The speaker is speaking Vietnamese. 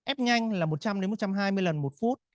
ép nhanh là một trăm linh một trăm hai mươi lần một phút